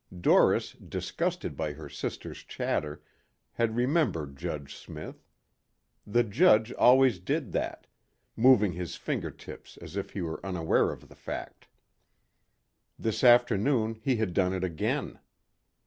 Doris, disgusted by her sister's chatter, had remembered Judge Smith. The judge always did that, ... moving his finger tips as if he were unaware of the fact. This afternoon he had done it again.